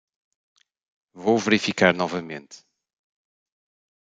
Vou verificar novamente.